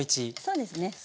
そうですね。